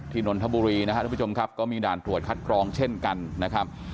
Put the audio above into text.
ที่นนทบุรีดมีด่านส่วนครัสกลองเช่นกันนะครับ